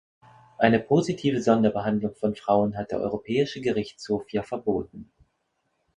Eine positive Sonderbehandlung von Frauen hat der Europäische Gerichtshof ja verboten.